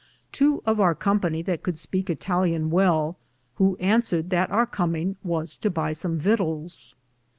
To of our company could speake Ittalian well, who Answered that our cominge was to buy som vitals.